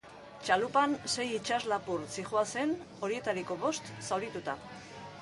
Txalupan sei itsas-lapur zihoazen, horietariko bost zaurituta.